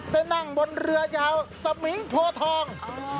ได้นั่งบนเรือยาวสมิงโพทอง